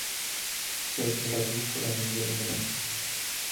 Se graduó por la Universidad de Bolonia.